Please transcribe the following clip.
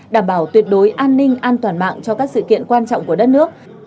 đảm bảo tuyệt đối an ninh an toàn mạng cho các sự kiện quan trọng của đất nước